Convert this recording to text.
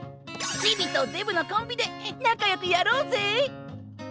チビとデブのコンビで仲よくやろうぜ！